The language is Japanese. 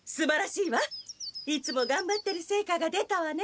いつもがんばってるせいかが出たわね。